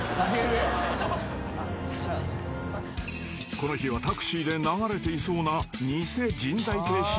［この日はタクシーで流れていそうな］